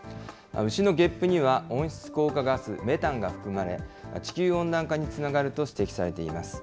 牛のゲップには温室効果ガス、メタンが含まれ、地球温暖化につながると指摘されています。